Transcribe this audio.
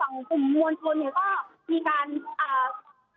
ว่าให้ทำกลุ่มซ่อมคุณลุงคอยร่วงออกไปเนื่องจากว่าการปฏิบัติ